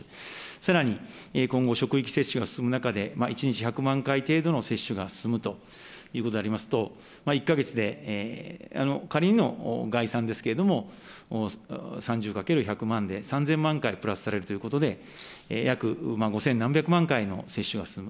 さらに、今後、職域接種が進む中で、１日１００万回程度の接種が進むということでありますと、１か月で、仮の概算ですけれども、３０かける１００万で、３０００万回プラスされるということで、約五千何百万回の接種が進む。